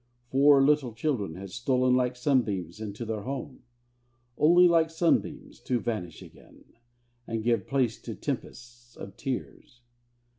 Four little children had stolen like sunbeams into their home; only, like sunbeams, to vanish again, and give place to tempests of tears.